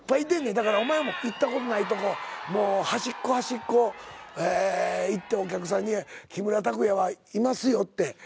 だからお前も行ったことないとこ端っこ端っこ行ってお客さんに木村拓哉はいますよって。